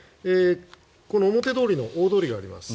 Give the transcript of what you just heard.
表通りの大通りがあります。